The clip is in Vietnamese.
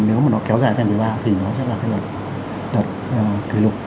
nếu mà nó kéo dài ngày một mươi ba thì nó sẽ là cái đợt kỷ lục